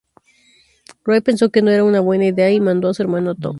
Ray pensó que no era una buena idea y mandó a su hermano Tom.